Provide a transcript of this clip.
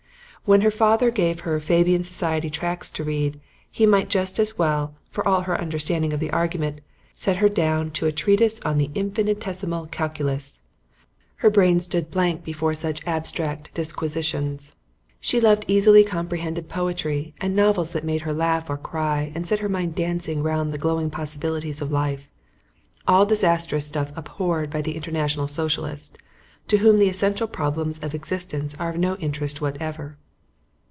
When her father gave her Fabian Society tracts to read, he might just as well, for all her understanding of the argument, set her down to a Treatise on the Infinitesimal Calculus. Her brain stood blank before such abstract disquisitions. She loved easily comprehended poetry and novels that made her laugh or cry and set her mind dancing round the glowing possibilities of life; all disastrous stuff abhorred by the International Socialist, to whom the essential problems of existence are of no interest whatever.